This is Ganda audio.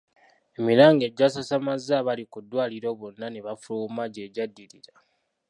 Emiranga egyasasamaza abaali ku ddwaliro bonna ne bafuluma gye gyaddirira.